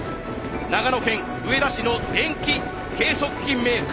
長野県上田市の電気計測器メーカー。